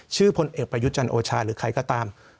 พลเอกประยุทธ์จันทร์โอชาหรือใครก็ตาม